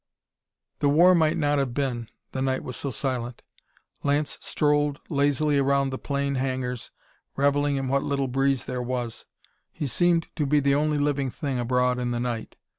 The war might not have been, the night was so silent. Lance strolled lazily around the plane hangars, revelling in what little breeze there was. He seemed to be the only living thing abroad in the night.